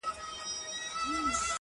زړه طالب کړه د الفت په مدرسه کي,